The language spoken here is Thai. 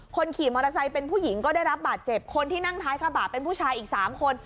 คนขี่มอเตอร์ไซค์เป็นผู้หญิงก็ได้รับบาดเจ็บคนที่นั่งท้ายกระบะเป็นผู้ชายอีกสามคน